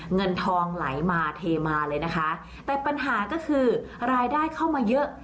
เงินทองไหลมาเทมาเลยนะคะแต่ปัญหาก็คือรายได้เข้ามาเยอะ